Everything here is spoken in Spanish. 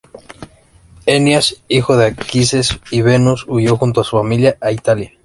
Eneas, hijo de Anquises y Venus, huyó junto a su familia a Italia.